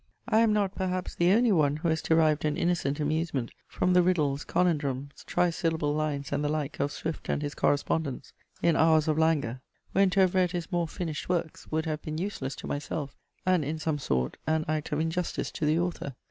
I am not perhaps the only one who has derived an innocent amusement from the riddles, conundrums, tri syllable lines, and the like, of Swift and his correspondents, in hours of languor, when to have read his more finished works would have been useless to myself, and, in some sort, an act of injustice to the author.